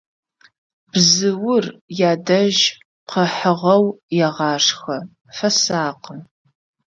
Бзыур ядэжь къыхьыгъэу егъашхэ, фэсакъы.